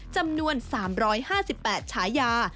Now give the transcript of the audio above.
จำนวน๓๕๘ฉายา